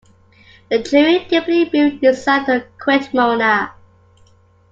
The jury, deeply moved, decide to acquit Mona.